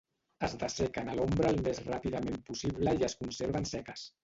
Es dessequen a l'ombra al més ràpidament possible i es conserven seques.